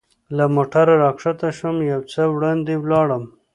له موټره را کښته شوم، یو څه وړاندې ولاړم.